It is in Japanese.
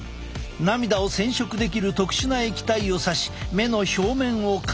涙を染色できる特殊な液体をさし目の表面を観察する。